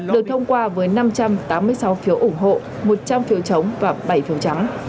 được thông qua với năm trăm tám mươi sáu phiếu ủng hộ một trăm linh phiếu chống và bảy phiếu trắng